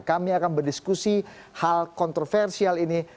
kami akan berdiskusi hal kontroversial ini